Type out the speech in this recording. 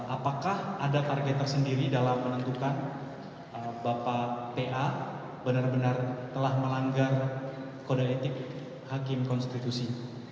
apakah ada target tersendiri dalam menentukan bapak pa benar benar telah melanggar kode etik hakim konstitusi